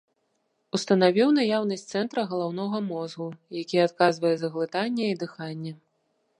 Устанавіў наяўнасць цэнтра галаўнога мозгу, які адказвае за глытанне і дыханне.